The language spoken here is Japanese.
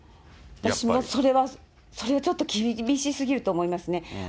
私もそれはちょっと厳しすぎると思いますね。